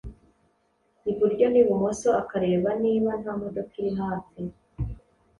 iburyo n’ibumoso, akareba niba nta modoka iri hafi